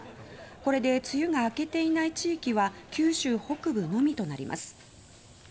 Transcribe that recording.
これで梅雨が明けていない地域は九州北部のみとなります。